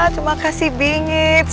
terima kasih bing itz